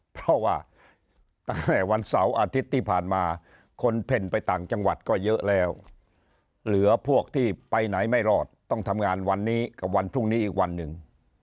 เพราะว่าตั้งแต่วันเสาร์อาทิตย์ที่ผ่านมาคนเพ่นไปต่างจังหวัดก็เยอะแล้วเหลือพวกที่ไปไหนไม่รอดต้องทำงานวันนี้กับวันพรุ่งนี้อีกวันหนึ่ง